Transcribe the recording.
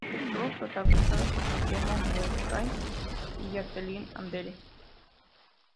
Estuvo protagonizada por Guillermo Murray y Jacqueline Andere.